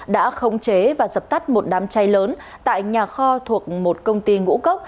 đã khống chế và dập tắt một đám cháy lớn tại nhà kho thuộc một công ty ngũ cốc